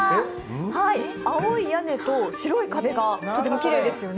青い屋根と白い壁がとてもきれいですよね。